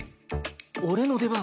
俺の出番